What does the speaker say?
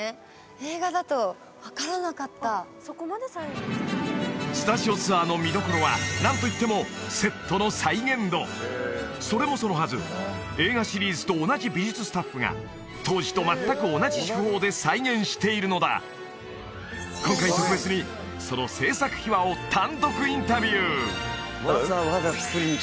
映画だと分からなかったスタジオツアーの見どころは何といってもそれもそのはず映画シリーズと同じ美術スタッフが当時と全く同じ手法で再現しているのだ今回特別にその制作秘話を単独インタビュー！